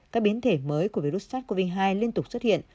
các biến thể mới của virus sars cov hai liên tục xuất hiện